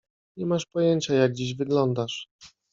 Nie masz pojęcia, jak dziś wyglądasz.